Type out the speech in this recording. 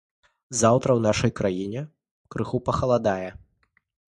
Заўтра ў нашай краіне крыху пахаладае.